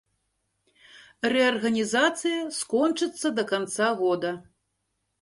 Рэарганізацыя скончыцца да канца года.